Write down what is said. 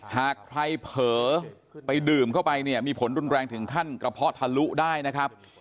หากใครเผลอไปดื่มเข้าไปเนี่ยมีผลรุนแรงถึงขั้นกระเพาะทะลุได้นะครับ